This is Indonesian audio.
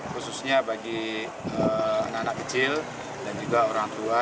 khususnya bagi anak anak kecil dan juga orang tua